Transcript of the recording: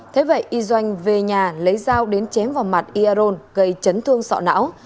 thế vậy y doanh về nhà lấy rau đến chém vào mặt y aron gây chấn thương sọ não